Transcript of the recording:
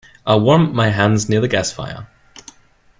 I warmed my hands near the gas fire.